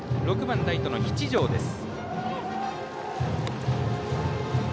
６番、ライトの七條です。